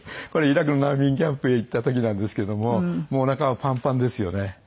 これイラクの難民キャンプへ行った時なんですけどももうおなかはパンパンですよね。